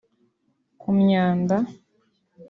ku myanda